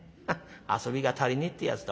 遊びが足りねえってやつだ。